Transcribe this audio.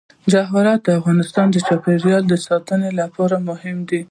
جواهرات د افغانستان د چاپیریال ساتنې لپاره مهم دي.